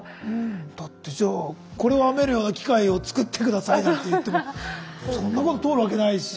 だってじゃあこれを編めるような機械を作って下さいなんていってもそんなこと通るわけないし。